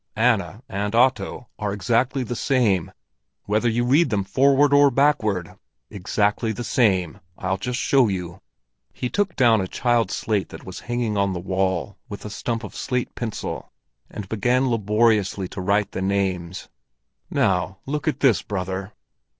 Anna and Otto are exactly the same, whether you read them forward or backward—exactly the same. I'll just show you." He took down a child's slate that was hanging on the wall with a stump of slate pencil, and began laboriously to write the names. "Now, look at this, brother!"